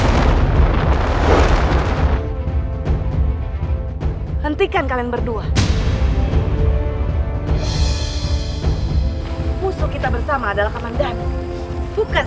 yang sekian makin banyak teruk dalam chanyeol